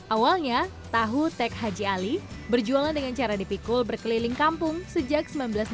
awalnya tahu tek haji ali berjualan dengan cara dipikul berkeliling kampung sejak seribu sembilan ratus delapan puluh